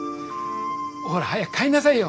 ほら早く帰んなさいよ